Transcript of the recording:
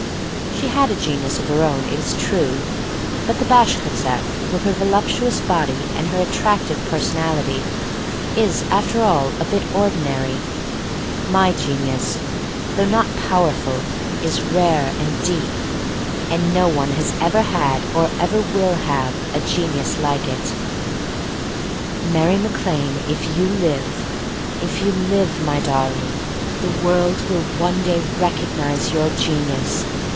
She had a genius of her own, it is true. But the Bashkirtseff, with her voluptuous body and her at tractive personality, is after all a bit ordinary. My genius, though not powerful, is rare and deep, and no one has ever had or ever will have a genius like it. THE STORY OF MARY MAC LANE 259 Mary Mac Lane, if you live — if you live, my darling, the world will one day recognize your genius.